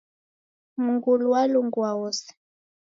Mngulu walungua wose.